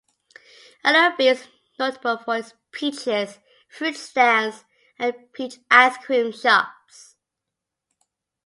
Ellerbe is notable for its peaches, fruit stands and peach ice cream shops.